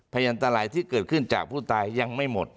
พยานตรายที่เกิดขึ้นจากผู้ตายยังไม่หมด